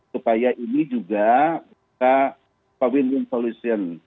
supaya ini juga bisa win win solution